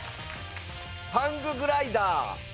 ハンググライダー。